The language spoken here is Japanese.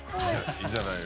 いいじゃないの。